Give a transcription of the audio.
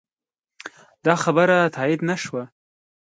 دا خبره تایید نه شوه.